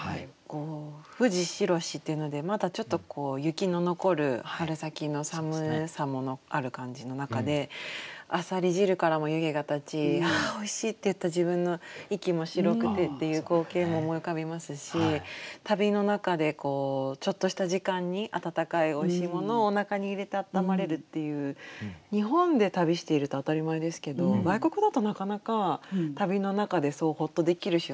「富士白し」っていうのでまだちょっと雪の残る春先の寒さもある感じの中で浅蜊汁からも湯気が立ち「ああおいしい」って言った自分の息も白くてっていう光景も思い浮かびますし旅の中でちょっとした時間に温かいおいしいものをおなかに入れて温まれるっていう日本で旅していると当たり前ですけど外国だとなかなか旅の中でそうホッとできる瞬間って少ないなと思うと。